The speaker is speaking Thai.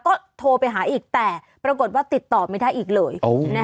ก็โทรไปหาอีกแต่ปรากฏว่าติดต่อไม่ได้อีกเลย